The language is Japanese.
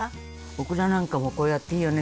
オクラなんかもこうやっていいよね。